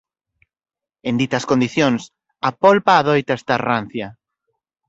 En ditas condicións a polpa adoita estar rancia.